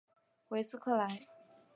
韦斯克莱。